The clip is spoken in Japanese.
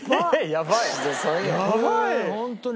やばい！